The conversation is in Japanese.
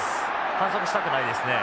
反則したくないですね。